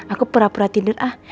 aku pura pura tinder ah